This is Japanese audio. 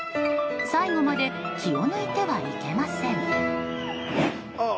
最後まで気を抜いてはいけません。